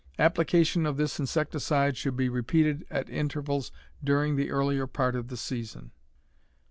Application of this insecticide should be repeated at intervals during the earlier part of the season.